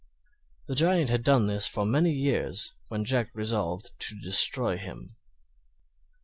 The Giant had done this for many years when Jack resolved to destroy him.